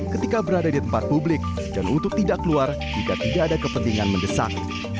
ketika berada di tempat publik dan untuk tidak keluar jika tidak ada kepentingan mendesak